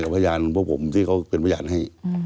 พยานพวกผมที่เขาเป็นพยานให้